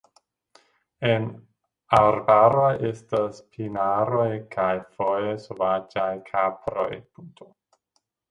En arbaroj estas pinaroj kaj foje sovaĝaj kaproj.